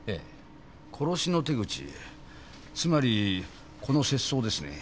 殺しの手口つまりこの切創ですね。